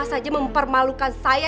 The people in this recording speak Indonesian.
prw sama saja mempermalukan saya